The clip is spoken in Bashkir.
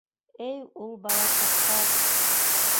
Эй ул бала саҡтар!..